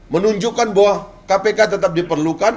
menunjukkan bahwa kpk tetap diperlukan